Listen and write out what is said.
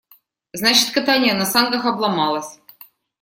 Значит, катание на санках «обломалось».